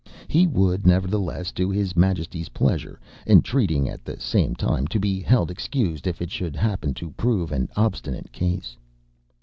He would, nevertheless, do his majestyŌĆÖs pleasure, entreating at the same time to be held excused if it should happen to prove an obstinate case.